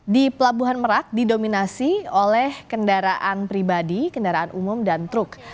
di pelabuhan merak didominasi oleh kendaraan pribadi kendaraan umum dan truk